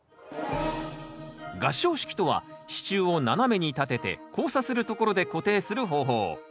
合掌式とは支柱を斜めに立てて交差するところで固定する方法。